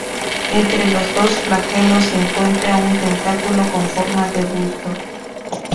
Entre los dos flagelos se encuentra un tentáculo con forma de bulto.